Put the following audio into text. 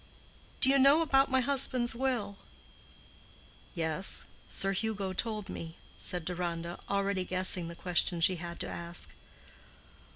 Do you know about my husband's will?" "Yes, Sir Hugo told me," said Deronda, already guessing the question she had to ask.